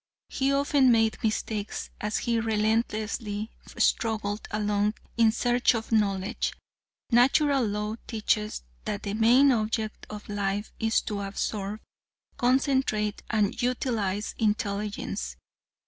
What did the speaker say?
He often made mistakes as he relentlessly struggled along in search of knowledge. Natural Law teaches that the main object of life is to absorb, concentrate and utilize intelligence.